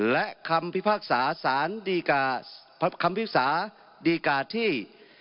และคำพิพากษาดีกาที่๓๖๓๗๒๕๔๖